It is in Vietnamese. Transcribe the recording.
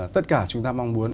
tất cả chúng ta mong muốn